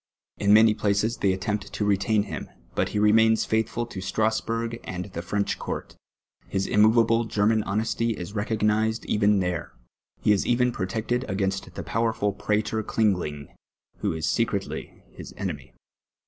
In many places they attempt to retain him, but he remains faitliful to Stra.sburpj and the French court. His immoveable German honesty is reeoj^nised even there, he is even protected a^^ainst the ])owerful Pra tor Klinij^ linj^, who is secretly his enemy.